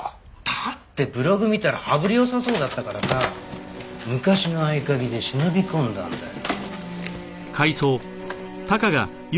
だってブログ見たら羽振り良さそうだったからさ昔の合鍵で忍び込んだんだよ。